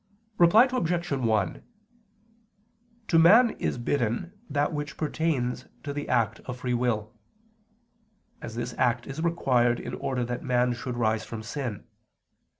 Reply Obj. 1: To man is bidden that which pertains to the act of free will, as this act is required in order that man should rise from sin.